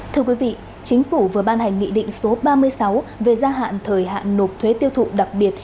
thưa quý vị chính phủ vừa ban hành nghị định số ba mươi sáu về gia hạn thời hạn nộp thuế tiêu thụ đặc biệt